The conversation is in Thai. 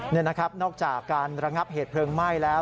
นี่นะครับนอกจากการระงับเหตุเพลิงไหม้แล้ว